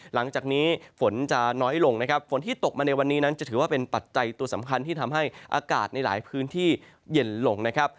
หลังจากนี้ฝนจะน้อยลงนะครับฝนที่ตกมาในวันนี้นั้นจะถือว่าเป็นปัจจัยตัวสำคัญที่ทำให้อากาศในหลายพื้นที่เย็นลงนะครับ